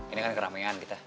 ini kan keramaian kita